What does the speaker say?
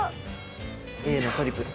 Ａのトリプル。